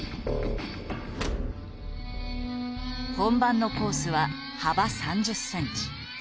本番のコースは幅３０センチ。